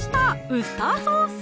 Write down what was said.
ウスターソース！